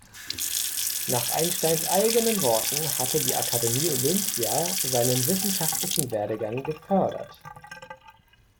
Nach Einsteins eigenen Worten hatte die Akademie Olympia seinen wissenschaftlichen Werdegang gefördert.